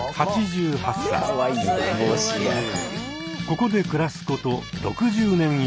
ここで暮らすこと６０年以上！